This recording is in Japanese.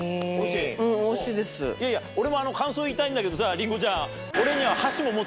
俺も感想言いたいんだけどさりんごちゃん。